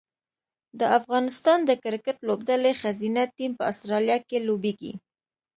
د افغانستان د کرکټ لوبډلې ښځینه ټیم په اسټرالیا کې لوبیږي